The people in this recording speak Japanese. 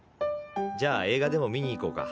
じゃあ映画でも見に行こうか。